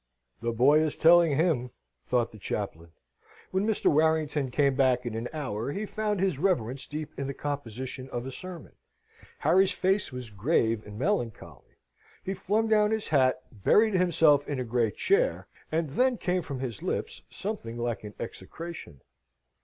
"The boy is telling him," thought the chaplain. When Mr. Warrington came back in an hour, he found his reverence deep in the composition of a sermon. Harry's face was grave and melancholy; he flung down his hat, buried himself in a great chair, and then came from his lips something like an execration.